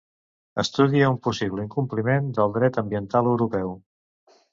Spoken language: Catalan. Estudia un possible incompliment del dret ambiental europeu.